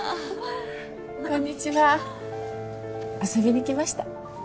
こんにちは遊びにきました。